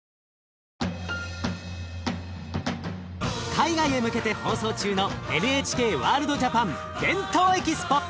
海外へ向けて放送中のＮＨＫワールドＪＡＰＡＮ「ＢＥＮＴＯＥＸＰＯ」！